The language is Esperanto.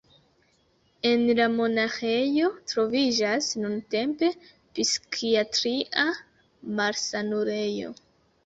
En la monaĥejo troviĝas nuntempe psikiatria malsanulejo.